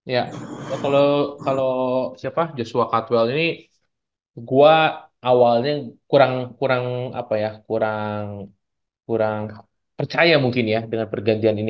ya kalau joshua cutwell ini gue awalnya kurang percaya mungkin ya dengan pergantian ini